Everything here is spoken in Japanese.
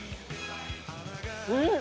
うん！